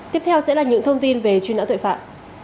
tiếp theo sẽ là những thông tin về truy nã tội phạm